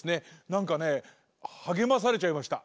なんかねはげまされちゃいました。